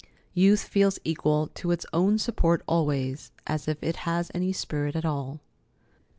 Youth feels equal to its own support always, if it has any spirit at all.